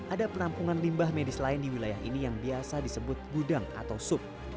ada penampungan limbah medis lain di wilayah ini yang biasa disebut gudang atau sub